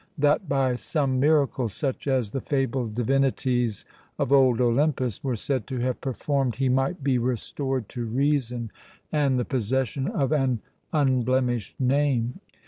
that by some miracle, such as the fabled divinities of old Olympus were said to have performed, he might be restored to reason and the possession of an unblemished name!